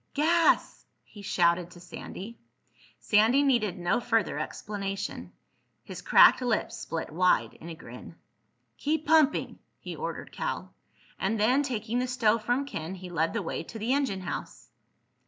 "Gas!" he shouted to Sandy. Sandy needed no further explanation. His cracked lips split wide in a grin. "Keep pumping!" he ordered Cal. And then, taking the stove from Ken, he led the way to the engine house.